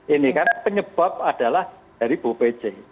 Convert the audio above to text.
ini kan penyebab adalah dari bu bc